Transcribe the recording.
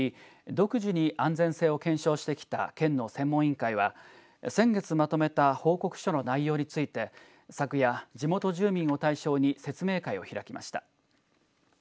独自に安全性を検証してきた県の専門委員会は先月まとめた報告書の内容について昨夜、地元住民を対象に説明会を開きました。